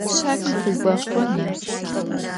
Şay khıpfizğexhona?